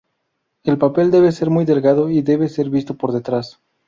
El papel debe ser muy delgado y debe ser visto por detrás.